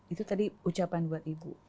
itu tadi ucapan buat ibu